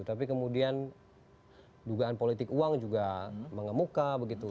tapi kemudian dugaan politik uang juga mengemuka begitu